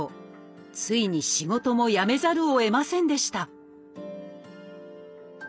ついに仕事も辞めざるをえませんでした